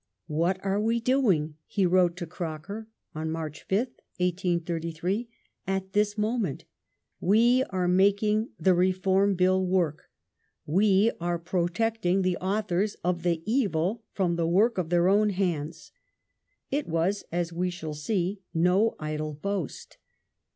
" What are we doing," he wrote to Croker (March 5th, 1833), "at this moment? We are making the Re form Bill work. ... We are protecting the authors of the evil from the work of their own hands." It was, as we shall see, no idle boast.